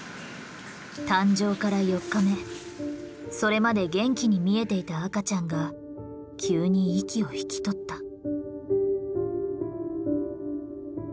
誕生から４日目それまで元気に見えていた赤ちゃんが急に息を引き取った。